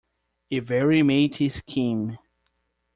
A very matey scheme.